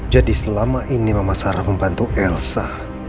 jadi selama ini mama sarah membantu elsa